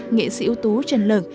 nghệ sĩ ưu tú trần lực